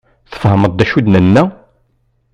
Tfehmeḍ d acu i d-nenna?